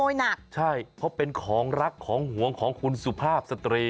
หย่องเบาแต่ขโมยหนักพอเป็นคองรักห้องหวงของคุณสุภาพสตรี